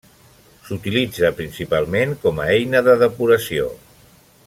S'utilitza principalment com a eina de depuració.